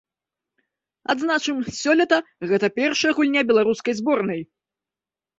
Адзначым, сёлета гэта першая гульня беларускай зборнай.